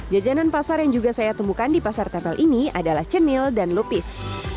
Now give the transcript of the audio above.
jajanan pasar yang juga saya temukan di pasar tempel ini adalah cenil dan lupis